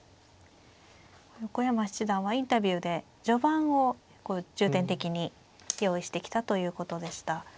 横山七段はインタビューで序盤を重点的に用意してきたということでした。